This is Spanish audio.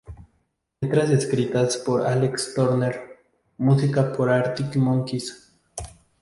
Letras escritas por Alex Turner, música por Arctic Monkeys.